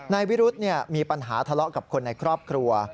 นายวิรุธมีปัญหาทะเลาะกับคนในครอบครัว